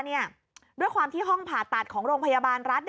ด้วยความที่ห้องผ่าตัดของโรงพยาบาลรัฐ